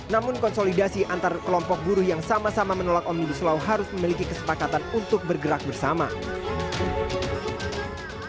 namun konsolidasi antar kelompok buruh yang sama sama menolak omnibus law harus memiliki kesepakatan untuk bergerak bersama